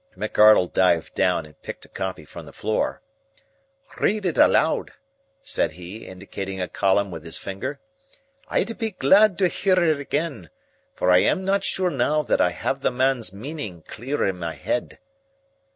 McArdle dived down and picked a copy from the floor. "Read it aloud," said he, indicating a column with his finger. "I'd be glad to hear it again, for I am not sure now that I have the man's meaning clear in my head."